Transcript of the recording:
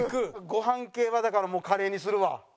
ご飯系はだからもうカレーにするわ。